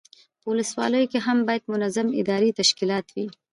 په ولسوالیو کې هم باید منظم اداري تشکیلات وي.